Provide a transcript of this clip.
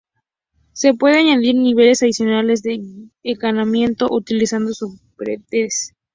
Se pueden añadir niveles adicionales de encaminamiento utilizando subredes.